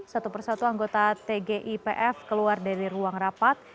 satu persatu anggota tgipf keluar dari ruang rapat